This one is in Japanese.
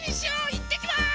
いってきます！